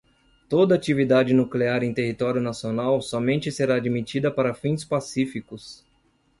toda atividade nuclear em território nacional somente será admitida para fins pacíficos